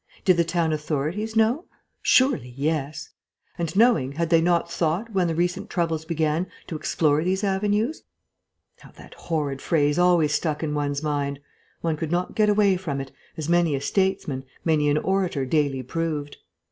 Did the town authorities know? Surely yes. And, knowing, had they not thought, when the recent troubles began, to explore these avenues? (How that horrid phrase always stuck in one's mind; one could not get away from it, as many a statesman, many an orator daily proved.)